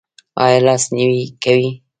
ایا لاس نیوی کوئ؟